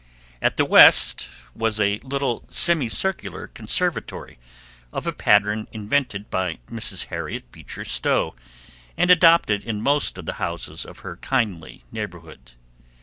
At the west was a little semicircular conservatory of a pattern invented by Mrs. Harriet Beecher Stowe, and adopted in most of the houses of her kindly neighborhood.